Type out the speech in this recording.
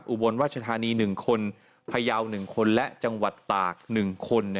อุบลราชธานี๑คนพยาว๑คนและจังหวัดตาก๑คน